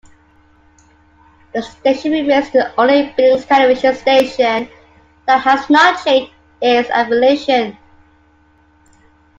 The station remains the only Billings television station that has not changed its affiliation.